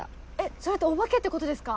それってお化けってことですか？